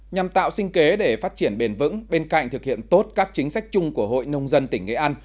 nhằm tạo sinh kế để phát triển bền vững bên cạnh thực hiện tốt các chính sách chung của hội nông dân tỉnh nghệ an